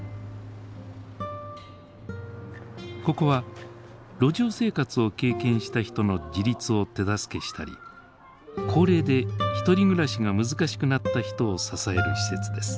ここは路上生活を経験した人の自立を手助けしたり高齢で一人暮らしが難しくなった人を支える施設です。